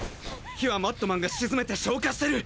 火はマッドマンが沈めて消火してる！